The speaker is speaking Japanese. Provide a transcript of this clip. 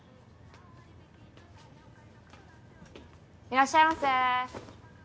いらっしゃいませー。